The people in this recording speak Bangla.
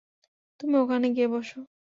তুমি ওখানে গিয়ে বসো।